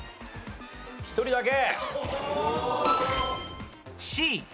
１人だけ。